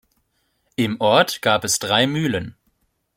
Im Ort gab es drei Mühlen.